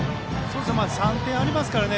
３点ありますからね。